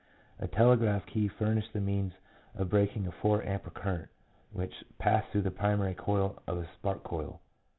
A telegraph key furnished the means of breaking a four ampere current, which passed through the primary coil of a spark coil.